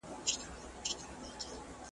ډېر فشارونه راوستل